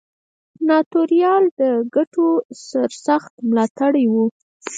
سناتوریال د ګټو سرسخت ملاتړي وو.